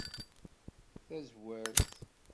Tazwart.